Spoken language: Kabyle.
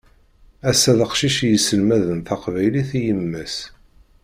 Ass-a d aqcic i isselmaden taqbaylit i yemma-s.